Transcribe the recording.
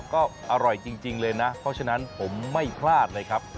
ก็อร่อยจริงเลยนะเพราะฉะนั้นผมไม่พลาดเลยครับ